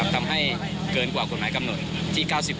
ทำให้เกินกว่ากฎหมายกำหนดที่๙๕เดซิเบล